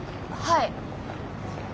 はい。